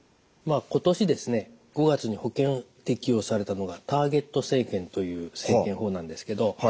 今年ですね５月に保険適用されたのがターゲット生検という生検法なんですけど